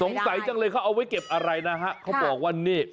สงสัยจังเลยเขาเอาไว้เก็บอะไรนะฮะเขาบอกว่านี่